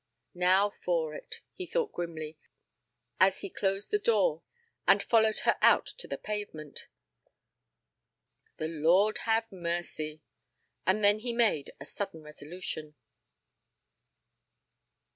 "Now for it," he thought grimly as he closed the door and followed her out to the pavement. "The Lord have mercy " And then he made a sudden resolution.